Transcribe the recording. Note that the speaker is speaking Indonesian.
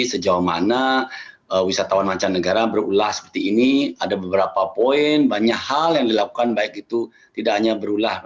sejauh mana wisatawan mancanegara berulah seperti ini ada beberapa poin banyak hal yang dilakukan baik itu tidak hanya berulah